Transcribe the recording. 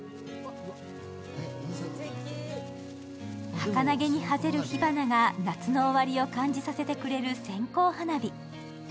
はかなげにはぜる火花が夏の終わりを感じさせてくれる線香花火。